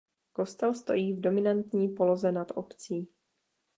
Kostel stojí v dominantní poloze nad obcí.